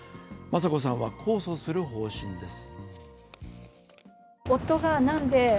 雅子さんは控訴する方針です。